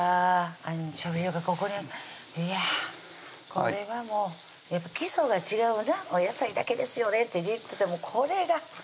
ここにいやっこれはもうやっぱり基礎が違うなお野菜だけですよねって言っててもこれが！